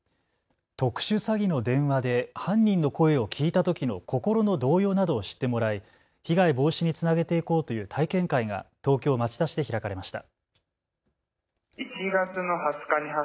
特殊詐欺の電話で犯人の声を聞いたときの心の動揺などを知ってもらい被害防止につなげていこうという体験会が東京町田市で開かれました。